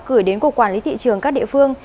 gửi đến cục quản lý thị trường các địa phương